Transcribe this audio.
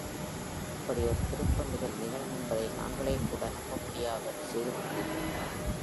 இப்படி ஒரு திருப்பம் இதில் நிகழுமென்பதை நாங்களே கூட நம்பமுடியாதபடி செய்து விட்டீர்களே?